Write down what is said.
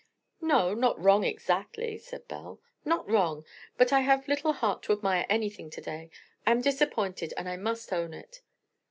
"No, not wrong exactly," said Belle; "not wrong; but I have little heart to admire anything to day. I am disappointed, and I must own it."